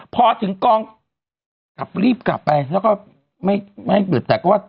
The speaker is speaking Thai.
พอถึงกองกลับรีบกลับไปแล้วก็ไม่ไม่หยุดแต่ก็ว่า